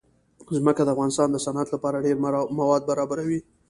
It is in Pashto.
ځمکه د افغانستان د صنعت لپاره ډېر مواد برابروي.